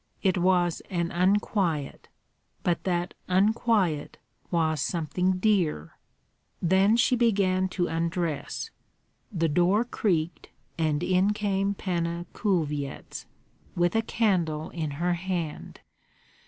It was an unquiet; but that unquiet was something dear. Then she began to undress; the door creaked, and in came Panna Kulvyets, with a candle in her hand.